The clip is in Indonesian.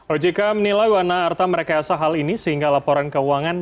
ojk menilai wana arta merekayasa hal ini sehingga laporan keuangan